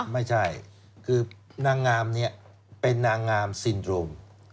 ไม่ใช่คือนางงามนี้เป็นนางงามซินตรง